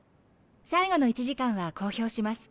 最後の１時間は講評します。